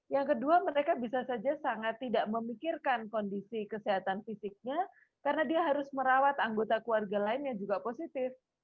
yang kedua mereka bisa saja sangat tidak memikirkan kondisi kesehatan fisiknya karena dia harus merawat anggota keluarga lain yang juga positif